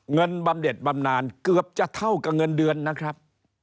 บำเด็ดบำนานเกือบจะเท่ากับเงินเดือนนะครับ